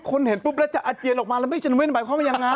คนเห็นปุ๊บแล้วจะอาเจียนออกมาแล้วไม่ชนเว้นไหมเพราะมันอย่างนั้น